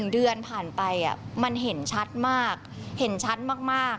๑เดือนผ่านไปมันเห็นชัดมากเห็นชัดมาก